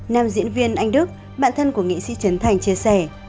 nam diễn viên anh đức bạn thân của nghệ sĩ trấn thành chia sẻ